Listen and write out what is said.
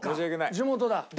地元だ。